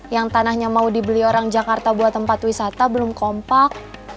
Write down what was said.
yang tanahnya mau dibeli orang jakarta buat tempat wisata belum kompak